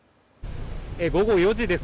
午後４時です。